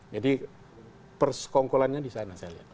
jadi persekongkolannya di sana saya lihat